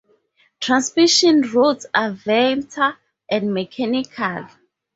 Transmission routes are vector and mechanical.